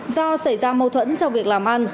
do xảy ra mâu thuẫn trong việc làm ăn